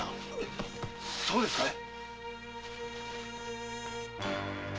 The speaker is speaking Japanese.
そうですかい？